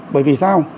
bởi vì sao